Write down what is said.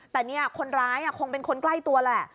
แต่นี่คนร้ายคงเป็นคนใกล้ตัวแหละ